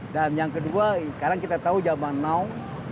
dan yang kedua sekarang kita tahu zaman now